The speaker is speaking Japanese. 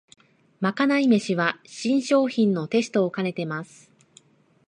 まかない飯は新商品のテストをかねてます